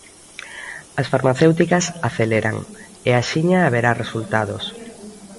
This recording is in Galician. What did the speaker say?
As farmacéuticas aceleran, e axiña haberá resultados.